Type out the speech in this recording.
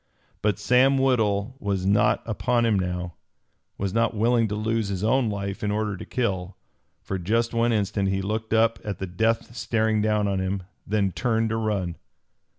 But Sam Woodhull was not upon him now, was not willing to lose his own life in order to kill. For just one instant he looked up at the death staring down on him, then turned to run.